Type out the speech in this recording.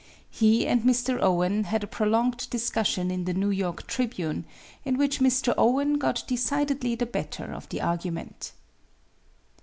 He and Mr. Owen had a prolonged discussion, in the New York Tribune, in which Mr. Owen got decidedly the better of the argument.